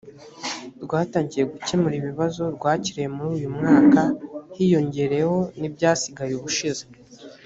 rwatangiye gukemura ibibazo rwakiriye muri uyu mwaka hiyongereyeho n’ibyasigaye ubushize